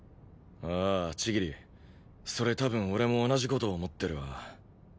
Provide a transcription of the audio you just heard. あ千切それ多分俺も同じ事思ってるわ。